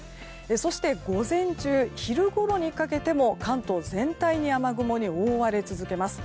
そして、午前中昼ごろにかけても関東全体が雨雲に覆われ続けます。